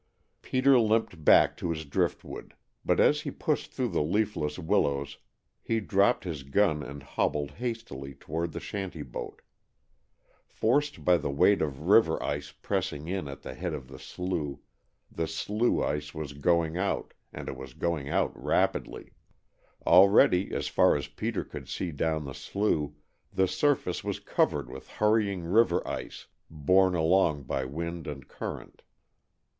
Peter limped back to his driftwood, but as he pushed through the leafless willows he dropped his gun and hobbled hastily toward the shanty boat. Forced by the weight of river ice pressing in at the head of the slough, the slough ice was "going out," and it was going out rapidly. Already, as far as Peter could see down the slough, the surface was covered with hurrying river ice, borne along by wind and current.